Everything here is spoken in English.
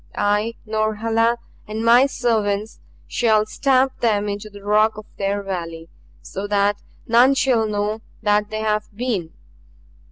I, Norhala, and my servants shall stamp them into the rock of their valley so that none shall know that they have been!